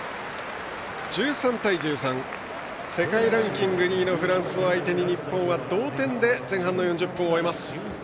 １３対１３と世界ランキング２位のフランスを相手に日本は同点で前半４０分を終えました。